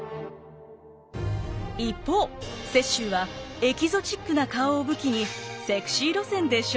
一方雪洲はエキゾチックな顔を武器にセクシー路線で勝負。